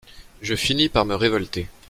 Je finis par me révolter.